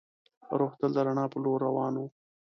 روح تل د رڼا په لور روان وي.